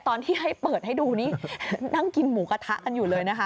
ตอนที่ให้เปิดให้ดูนี่นั่งกินหมูกระทะกันอยู่เลยนะคะ